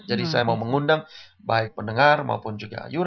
jadi saya mau mengundang baik pendengar maupun juga ayura